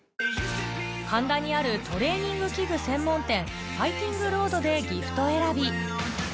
神田にあるトレーニング器具専門店ファイティングロードでギフト選び